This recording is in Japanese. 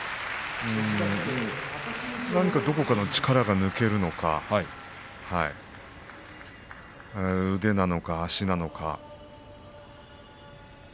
何か、どこかの力が抜けるのか腕なのか足なのか。